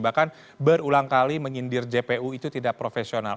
bahkan berulang kali menyindir jpu itu tidak profesional